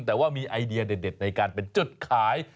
แต่ว่ามีไอเดียเด็ดในการเป็นจุดขาย